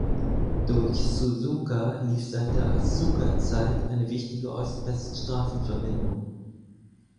Durch Suzuka lief seit der Asuka-Zeit eine wichtige Ost-West-Straßenverbindung.